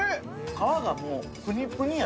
皮がぷにぷにや。